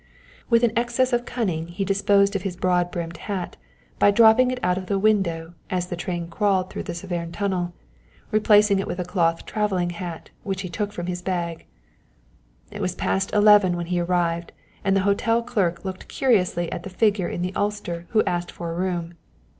With an excess of cunning he disposed of his broad brimmed hat, by dropping it out of the window as the train crawled through the Severn Tunnel, replacing it with a cloth travelling hat, which he took from his bag. It was past eleven when he arrived, and the hotel clerk looked curiously at the figure in the ulster who asked for a room.